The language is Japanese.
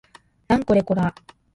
なんこれこら